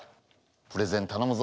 プレゼンたのむぞ。